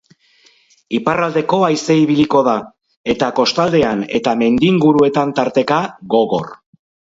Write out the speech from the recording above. Iparraldeko haize ibiliko da eta kostaldean eta mendi inguruetan tarteka, gogor.